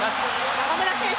中村選手。